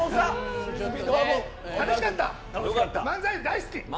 漫才大好き。